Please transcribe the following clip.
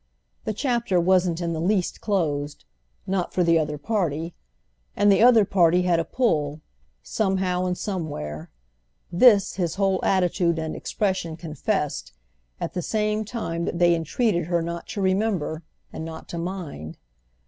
The chapter wasn't in the least closed, not for the other party; and the other party had a pull, somehow and somewhere: this his whole attitude and expression confessed, at the same time that they entreated her not to remember and not to mind.